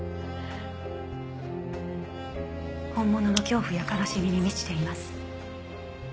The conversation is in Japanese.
本物の恐怖や悲しみに満ちています。